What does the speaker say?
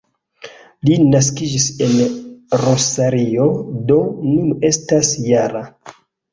Li naskiĝis en Rosario, do nun estas -jara.